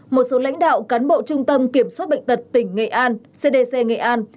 một số lãnh đạo cán bộ trung tâm kiểm soát bệnh tật tỉnh nghệ an cdc nghệ an